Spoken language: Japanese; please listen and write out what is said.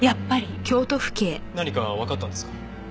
何かわかったんですか？